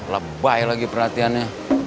lebay lagi perhatiannya